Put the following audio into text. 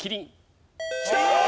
きた！